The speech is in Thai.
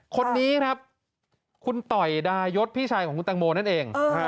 คนนี้ครับคุณต่อยดายศพี่ชายของคุณตังโมนั่นเอง